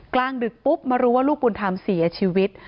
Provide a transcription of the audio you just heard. กลางดึกปุ๊บมารู้ว่าลูกบุญธรรมเสียชีวิต